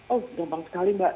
oh gampang sekali mbak